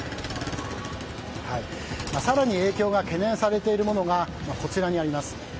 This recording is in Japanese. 更に、影響が懸念されているものがこちらにあります。